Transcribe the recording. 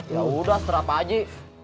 ya udah seterah pak ji